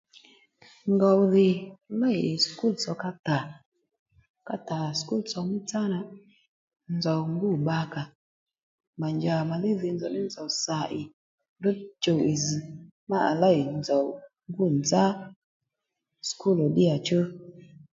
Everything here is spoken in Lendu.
Ngòw dhì lêy skul tsò ka tà ka tà skul tsò mí sâ nà nzòw ngû bbakà ó mà njà màdhí dhì nzòw ní nzòw sà ì ndrǔ chùw ì zz̀ má à lêy nzòw ngû nzá skul ò ddíyà chú